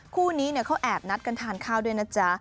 คู่นี้เขาแอบนัดกันทานข้าวด้วยนะจ๊ะ